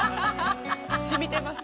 染みてます。